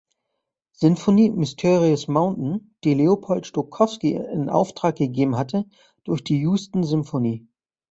Sinfonie "Mysterious Mountain", die Leopold Stokowski in Auftrag gegeben hatte, durch die Houston Symphony.